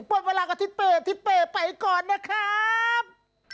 หมดเวลากับทิศเป้ทิศเป้ไปก่อนนะครับ